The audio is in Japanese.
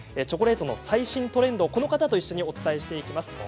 チョコレートの最新トレンドをこの方とお伝えしていきます。